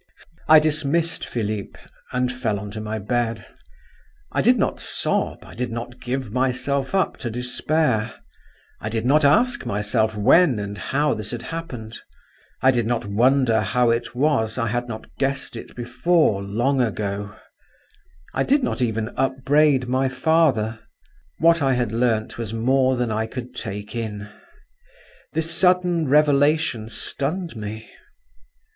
I dismissed Philip, and fell on to my bed. I did not sob, I did not give myself up to despair; I did not ask myself when and how this had happened; I did not wonder how it was I had not guessed it before, long ago; I did not even upbraid my father…. What I had learnt was more than I could take in; this sudden revelation stunned me….